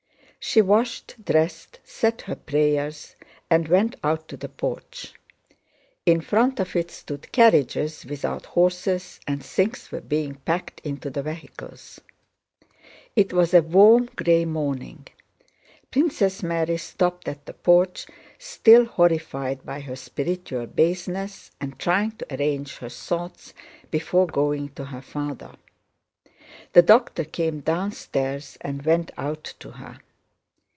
She washed, dressed, said her prayers, and went out to the porch. In front of it stood carriages without horses and things were being packed into the vehicles. It was a warm, gray morning. Princess Mary stopped at the porch, still horrified by her spiritual baseness and trying to arrange her thoughts before going to her father. The doctor came downstairs and went out to her.